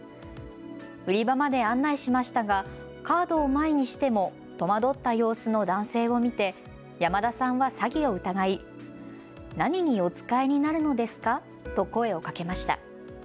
売り場まで案内しましたがカードを前にしても戸惑った様子の男性を見て山田さんは詐欺を疑い何にお使いになるのですかと声をかけました。